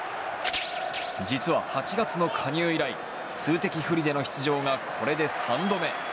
実は８月の加入以来数的不利での出場がこれで３度目。